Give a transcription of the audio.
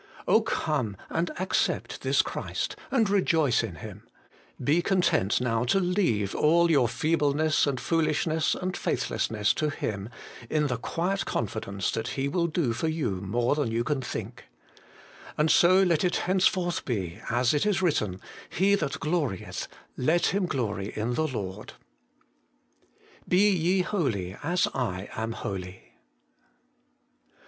Oh, come and accept this Christ, and rejoice in Him ! Be content now to leave all your feebleness, and foolishness, and faithlessness to Him, in the quiet confidence that He will do for you more than you can think And so let it henceforth be, as it it written, He that glorieth, let him glory in the Lord. BE YE HOLY, AS I AM HOLY.